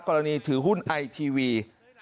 กรณีถือหุ้นไอทีวี